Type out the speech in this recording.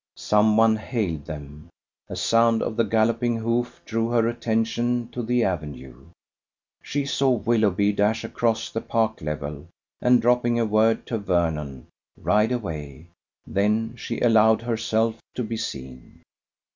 Some one hailed them. A sound of the galloping hoof drew her attention to the avenue. She saw Willoughby dash across the park level, and dropping a word to Vernon, ride away. Then she allowed herself to be seen.